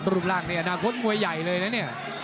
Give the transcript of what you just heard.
รูปร่างในอนาคตมวยใหญ่เลยนะเนี่ย